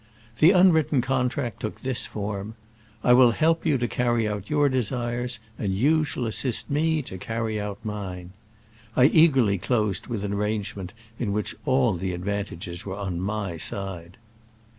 The unwritten contract took this form : I will help you to carry out your desires, and you shall assist me to carry out mine. 1 eagerly closed with an arrangement in which all the advantages were upon my side.